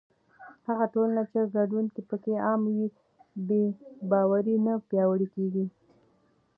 هغه ټولنه چې ګډون پکې عام وي، بې باوري نه پیاوړې کېږي.